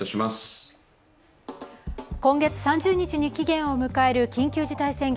今月３０日に期限を迎える緊急事態宣言。